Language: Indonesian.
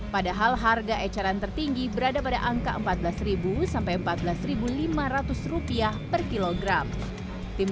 padahal harga eceran tertinggi berada pada angka empat belas sampai empat belas lima ratus rupiah per kilogram tim